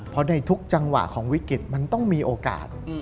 เพราะในทุกจังหวะของวิกฤตมันต้องมีโอกาส